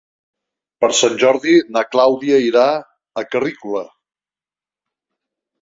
Per Sant Jordi na Clàudia irà a Carrícola.